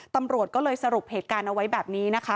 ตำรวจก็เลยสรุปเหตุการณ์เอาไว้แบบนี้นะคะ